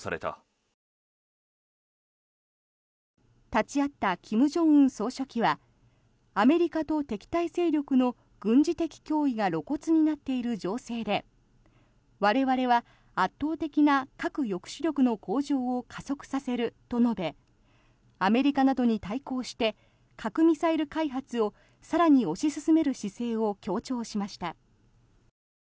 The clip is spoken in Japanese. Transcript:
立ち会った金正恩総書記はアメリカと敵対勢力の軍事的脅威が露骨になっている情勢で我々は圧倒的な核抑止力の向上を加速させると述べアメリカなどに対抗して核・ミサイル開発を更に推し進める姿勢を強調しました。